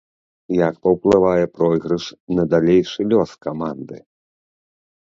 Як паўплывае пройгрыш на далейшы лёс каманды.